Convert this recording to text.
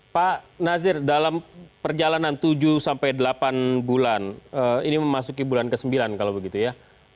pak nazir dalam perjalanan tujuh sampai delapan bulan ini memasuki bulan ke sembilan kalau begitu ya